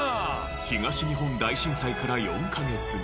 東日本大震災から４カ月後